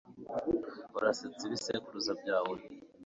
Urasetsa ibisekuruza byawe